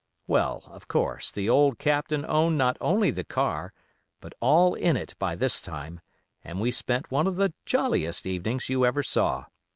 Well, of course, the old Captain owned not only the car, but all in it by this time, and we spent one of the jolliest evenings you ever saw.